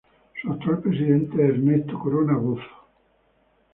Su actual presidente es Ernesto Corona Bozzo.